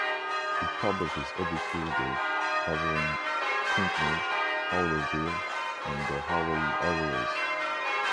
It publishes every Tuesday, covering Pinckney, Fowlerville and the Howell areas.